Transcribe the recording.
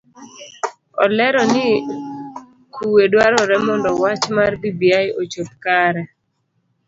Olero ni kue dwarore mondo wach mar bbi ochop kare.